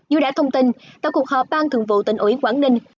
như đã thông tin tại cuộc họp bang thường vụ tỉnh ủy quảng ninh